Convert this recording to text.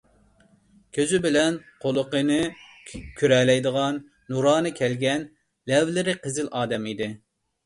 كۆزى بىلەن قۇلىقىنى كۆرەلەيدىغان، نۇرانە كەلگەن، لەۋلىرى قىزىل ئادەم ئىدى.